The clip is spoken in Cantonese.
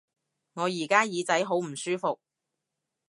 我而家耳仔好唔舒服